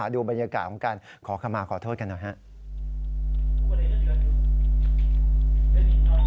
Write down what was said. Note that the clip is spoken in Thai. ดูบรรยากาศของการขอขมาขอโทษกันหน่อยครับ